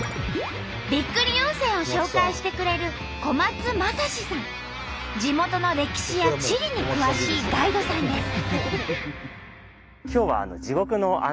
びっくり温泉を紹介してくれる地元の歴史や地理に詳しいガイドさんです。